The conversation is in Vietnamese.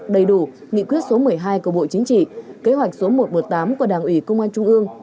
đầy đủ nghị quyết số một mươi hai của bộ chính trị kế hoạch số một trăm một mươi tám của đảng ủy công an trung ương